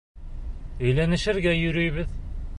Өйләнешергә йөрөйбөҙ...